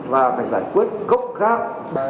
và phải giải quyết gốc khác